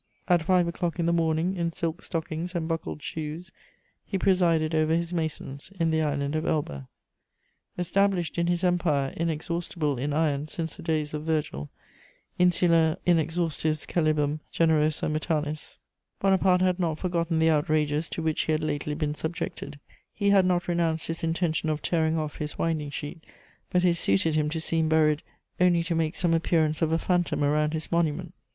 At five o'clock in the morning, in silk stockings and buckled shoes, he presided over his masons in the island of Elba. Established in his Empire, inexhaustible in iron since the days of Virgil, Insula inexhaustis Chalybum generosa metallis, Bonaparte had not forgotten the outrages to which he had lately been subjected; he had not renounced his intention of tearing off his winding sheet; but it suited him to seem buried, only to make some appearance of a phantom around his monument.